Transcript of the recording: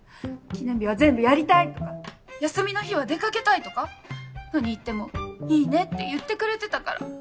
記念日は全部やりたいとか休みの日は出掛けたいとか何言っても「いいね」って言ってくれてたから。